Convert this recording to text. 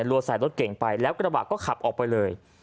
รัวใส่รถเก๋งไปแล้วกระหวัดขับออกไปเลย